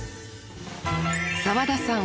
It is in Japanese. ［澤田さん